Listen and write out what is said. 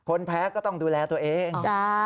แพ้ก็ต้องดูแลตัวเอง